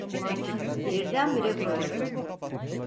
Birdenbire fırladı.